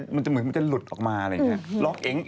มันจะเหมือนมันจะหลุดออกมาอะไรอย่างนี้